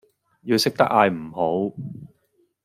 要識得嗌唔好